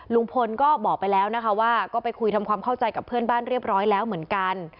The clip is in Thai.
ลุงพลก็บอกไปแล้วนะคะว่าก็ไปคุยทำความเข้าใจกับเพื่อนบ้านเรียบร้อยแล้วเหมือนกัน